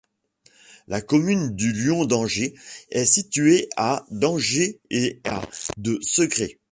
La commune du Lion-d'Angers est située à d'Angers et à de Segré.